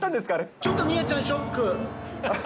ちょっと宮ちゃん、ショック。